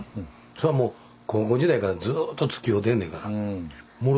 そらもう高校時代からずっとつきおうてんねんから。